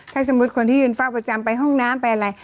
ถ้าสมมุติคนที่ยืนเฝ้าประจำไปห้องน้ำไปอะไร